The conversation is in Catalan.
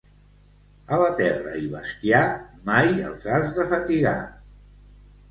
A la terra i bestiar, mai els has de fatigar.